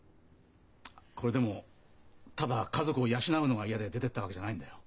これでもただ家族を養うのが嫌で出てったわけじゃないんだよ。